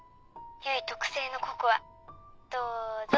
唯特製のココアどうぞ。